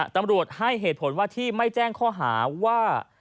ตำรวจให้เหตุผลว่าที่ไม่แจ้งข้อหาว่า